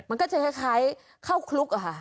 มันก็จะคล้ายเข้าคลุกอะค่ะ